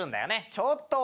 ちょっと。